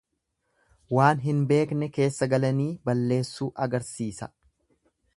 Waan hin beekne keessa galanii balleessuu agarsiisa.